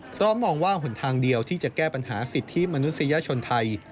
เพราะมองว่าหนทางเดียวที่จะแก้ปัญหาสิทธิมนุษยชนไทย